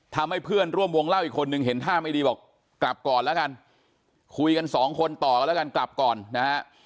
เพื่อนร่วมวงเล่าอีกคนนึงเห็นท่าไม่ดีบอกกลับก่อนแล้วกันคุยกันสองคนต่อกันแล้วกันกลับก่อนนะฮะ